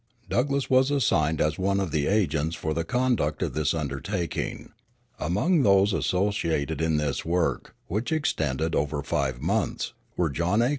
Douglass was assigned as one of the agents for the conduct of this undertaking. Among those associated in this work, which extended over five months, were John A.